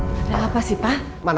karena lo ngerasa gue bermain